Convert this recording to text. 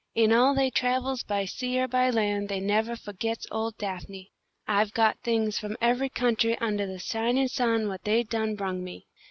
In all they travels by sea or by land they nevah fo'gits ole Daphne. I've got things from every country undah the shinin' sun what they done brung me."